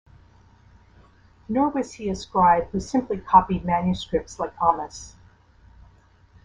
Nor was he a scribe who simply copied manuscripts like Ahmes.